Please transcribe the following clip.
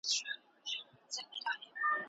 څنګه کولای سو هوکړه د خپلو ګټو لپاره وکاروو؟